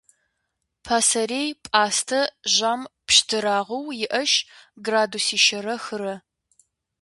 Пасэрей пӏастэ жьам пщтырагъыу иӏэщ градусищэрэ хырэ.